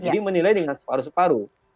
jadi menilai dengan separuh separuh